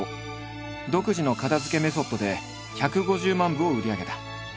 独自の片づけメソッドで１５０万部を売り上げた。